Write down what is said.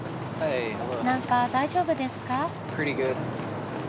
何か大丈夫ですか？